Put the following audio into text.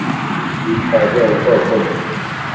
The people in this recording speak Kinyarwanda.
yitwaje ubwoko gusa.